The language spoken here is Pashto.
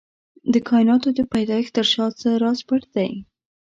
د کائناتو د پيدايښت تر شا څه راز پټ دی؟